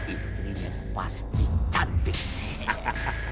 istrinya pasti cantik